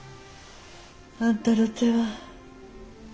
あんたの手は。